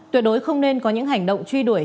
tuyệt đối không nên có những hành động truy đuổi